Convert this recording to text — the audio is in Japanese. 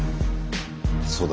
そうだ